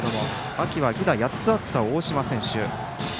秋は犠打が８つあった大島選手。